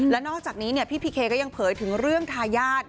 และนอกจากนี้พี่พีเคก็ยังเผยถึงเรื่องทายาท